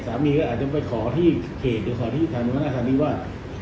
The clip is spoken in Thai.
สามีก็อาจจะไปขอที่เขตหรือขอที่ฐานหัวหน้าศาลีว่า